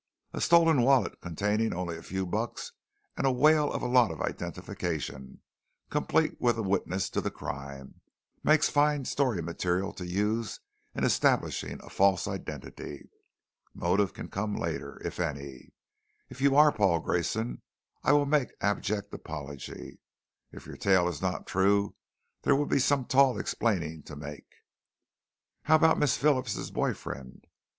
A stolen wallet containing only a few bucks and a whale of a lot of identification, complete with a witness to the crime, makes fine story material to use in establishing a false identity. Motive can come later if any. If you are Paul Grayson, I will make abject apology. If your tale is not true, there will be some tall explaining to make." "How about Miss Phillips' boy friend?"